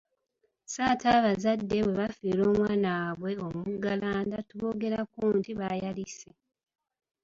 Sso ate abazadde bwe bafiirwa omwana waabwe omuggalanda tuboogerako nti bayalise.